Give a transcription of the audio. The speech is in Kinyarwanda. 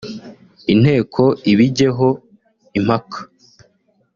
Inteko ibigeho impaka